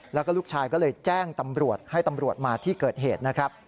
แล้วก็ลูกชายก็เลยแจ้งตำรวจให้ตำรวจมาที่เกิดเหตุนะครับ